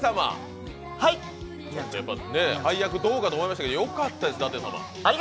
配役どうかと思いましたけど、よかったですね。